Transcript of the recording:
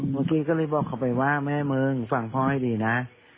เมื่อกี้ก็เลยบอกเขาไปว่าแม่มึงฟังพ่อให้ดีนะ